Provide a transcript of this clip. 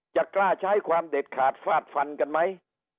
จะกล้าใช้ความเด็ดขาดฟาดฟันกันไหม